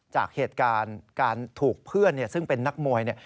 จากเหตุการณ์การถูกเพื่อนซึ่งเป็นนักมวยเนี่ย